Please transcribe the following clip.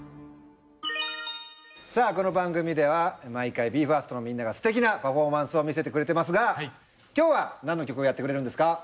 さぁこの番組では毎回ＢＥ：ＦＩＲＳＴのみんながステキなパフォーマンスを見せてくれてますが今日は何の曲をやってくれるんですか？